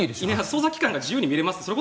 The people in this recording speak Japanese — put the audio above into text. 捜査機関が自由に見れます。